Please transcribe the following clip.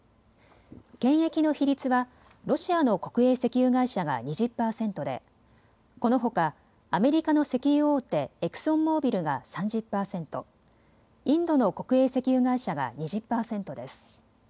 権益の比率はロシアの国営石油会社が２０％でこのほかアメリカの石油大手、エクソンモービルが３０％、インドの国営石油会社が２０％です。